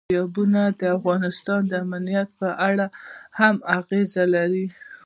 دریابونه د افغانستان د امنیت په اړه هم اغېز لري.